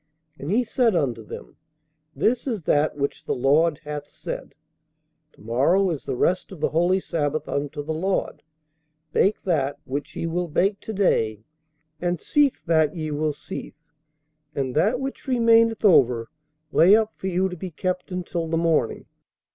And he said unto them, This is that which the Lord hath said, To morrow is the rest of the holy sabbath unto the Lord; bake that, which ye will bake to day, and seethe that ye will seethe; and that which remaineth over lay up for you to be kept until the morning.